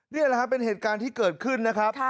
นี่แหละครับเป็นเหตุการณ์ที่เกิดขึ้นนะครับ